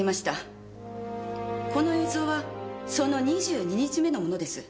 この映像はその２２日目のものです。